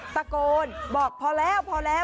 ตะโกนบอกพอแล้วพอแล้ว